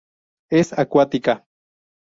Es acuática.